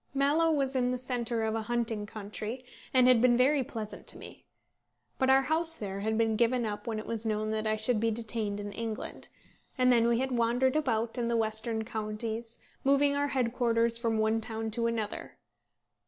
Mallow was in the centre of a hunting country, and had been very pleasant to me. But our house there had been given up when it was known that I should be detained in England; and then we had wandered about in the western counties, moving our headquarters from one town to another.